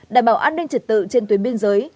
đảm bảo an ninh trật tự trên tuyến biên giới